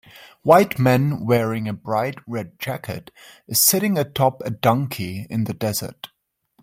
White man wearing a bright red jacket is sitting atop a donkey in the desert.